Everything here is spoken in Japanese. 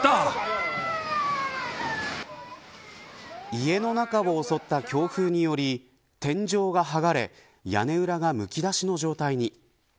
家の中を襲った強風により天井が剥がれ屋根裏がむき出しの状態に。